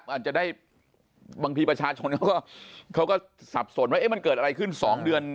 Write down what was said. อาจจะได้บางทีประชาชนเขาก็สับสนว่ามันเกิดอะไรขึ้น๒เดือน